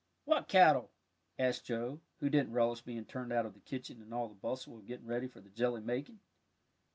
"What kettle?" asked Joe, who didn't relish being turned out of the kitchen in all the bustle of getting ready for the jelly making.